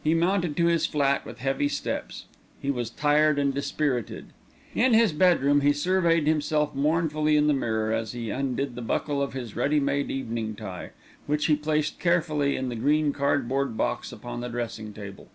He mounted to his flat with heavy steps. He was tired and dispirited. In his bedroom he surveyed himself mournfully in the mirror as he undid the buckle of his ready made evening tie, which he placed carefully in the green cardboard box upon the dressing table.